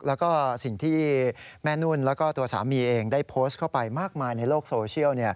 แล้วก็สิ่งที่แม่นุ่นแล้วก็ตัวสามีเองได้โพสต์เข้าไปมากมายในโลกโซเชียล